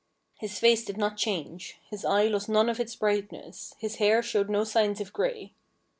His face did not change, his eye lost none of its brightness, his hair showed no signs of grey.